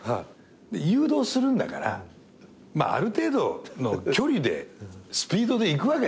誘導するんだからある程度の距離でスピードでいくわけでしょ。